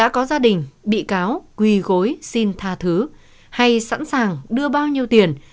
có gia đình bị cáo quỳ gối xin tha thứ hay sẵn sàng đưa bao nhiêu tiền